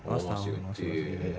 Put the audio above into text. oh masih kecil